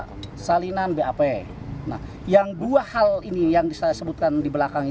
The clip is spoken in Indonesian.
kedatangan mereka dilakukan untuk mengajukan penangguhan penahanan pegi